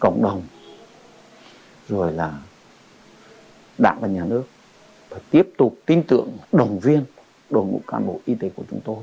cộng đồng rồi là đảng và nhà nước phải tiếp tục tin tưởng và đồng viên đội ngũ cán bộ y tế của chúng tôi